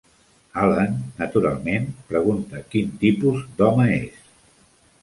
Allan, naturalment, pregunta quin tipus d'home és.